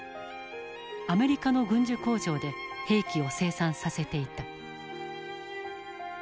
アメリカの軍需工場で兵器を生産させていた。